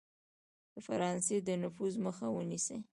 د فرانسې د نفوذ مخه ونیسي.